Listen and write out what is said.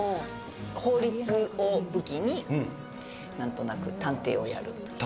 法律を武器に何となく探偵をやると。